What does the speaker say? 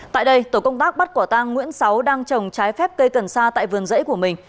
tại đây tổ công tác bắt quả tang nguyễn sáu đang trồng trái phép cây cần sa tại vườn rẫy của mình